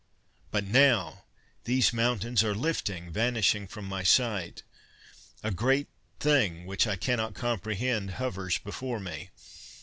"But now! These mountains are lifting, vanishing from my sight. A great thing which I cannot comprehend hovers before me.